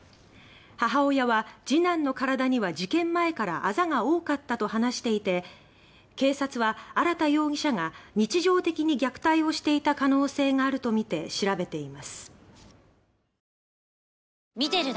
母親は次男の体には事件前からあざが多かったと話していて警察は、荒田容疑者が日常的に虐待をしていた可能性があるとみて調べています。